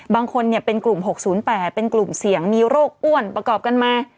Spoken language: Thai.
บางคนเป็นกลุ่ม๖๐๘เป็นกลุ่มเสี่ยงมีโรคอ้วนประกอบกันมา